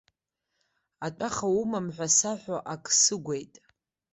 Атәаха умам ҳәа саҳәо, ак сыгәеит.